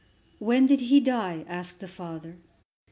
"When did he die?" asked the father.